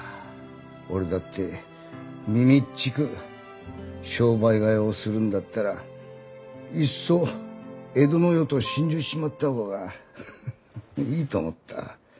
俺だってみみっちく商売替えをするんだったらいっそ江戸の世と心中しちまった方がフフッいいと思った。